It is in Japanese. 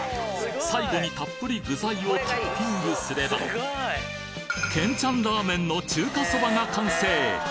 最後にたっぷり具材をトッピングすればケンチャンラーメンの中華そばが完成